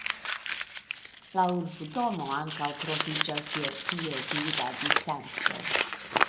La urbodomo ankaŭ troviĝas je piedira distanco.